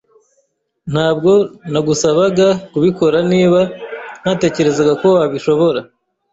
Ntabwo nagusaba kubikora niba ntatekerezaga ko wabishobora.